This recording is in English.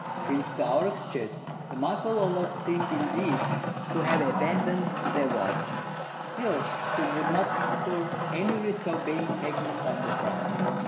Since the oryx chase the Makololos seemed indeed to have abandoned their watch, still he would not incur any risk of being taken by surprise.